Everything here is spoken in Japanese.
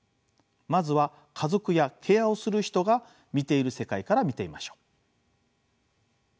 まずは家族やケアをする人が見ている世界から見てみましょう。